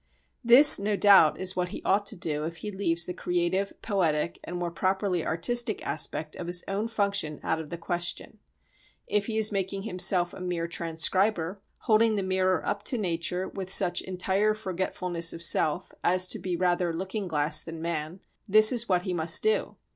This, no doubt, is what he ought to do if he leaves the creative, poetic and more properly artistic aspect of his own function out of the question; if he is making himself a mere transcriber, holding the mirror up to nature with such entire forgetfulness of self as to be rather looking glass than man, this is what he must do.